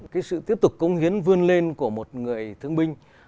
cái sự tiếp tục công hiến vươn lên của một người thương binh